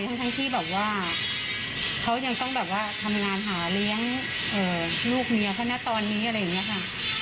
ทั้งที่แบบว่าเขายังต้องแบบว่าทำงานหาเลี้ยงลูกเมียเขานะตอนนี้อะไรอย่างนี้ค่ะ